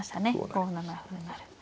５七歩成。